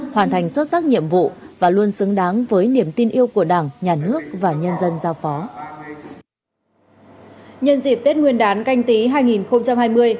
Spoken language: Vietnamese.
hoàn thành xuất sắc nhiệm vụ và luôn xứng đáng với niềm tin yêu của đảng nhà nước và nhân dân giao phó